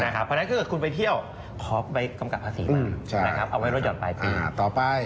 เพราะนั้นคือคุณไปเที่ยวพอไปกำกัดประสิทธิ์มาเอาไว้รถยอดปลายปี